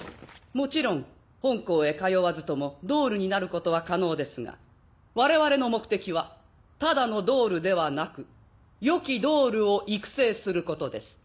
もちろん本校へ通わずともドールになることは可能ですが我々の目的はただのドールではなく良きドールを育成することです。